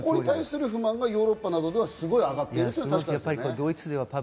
ここに対する不満がヨーロッパなどでは、すごいあがっています。